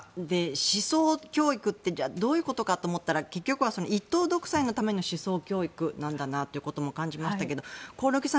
思想教育ってどういうことかと思ったら結局は一党独裁のための思想教育なんだなとも感じましたけど、興梠さん